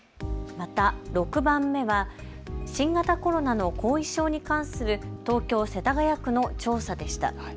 また６番目は新型コロナの後遺症に関する東京世田谷区の調査でした。